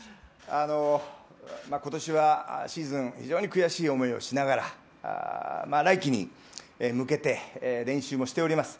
今年はシーズン、非常に悔しい思いをしながら来季に向けて練習もしております。